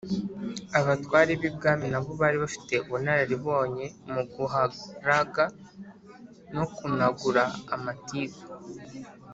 abatware b' i bwami nabo bari bafite ubunararibonye mu guharaga no kunagura amatiku.